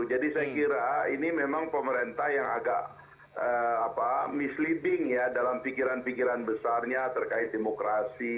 jadi saya kira ini memang pemerintah yang agak misleading ya dalam pikiran pikiran besarnya terkait demokrasi